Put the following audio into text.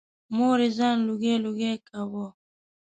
مور یې ځان لوګی لوګی کاوه.